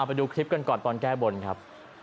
ไปดูคลิปกันก่อนตอนแก้บนครับ